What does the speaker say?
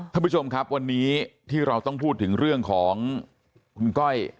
ท่านผู้ชมครับวันนี้ที่เราต้องพูดถึงเรื่องของคุณก้อย